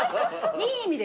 いい意味で。